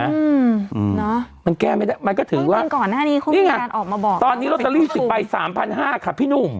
อืมเนอะมันแก้ไม่ได้มันก็ถือว่านี่ไงตอนนี้โรสเตอรี่๑๐ใบ๓๕๐๐บาทค่ะพี่หนุ่ม